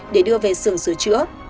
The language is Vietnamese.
để đưa về xưởng sửa chữa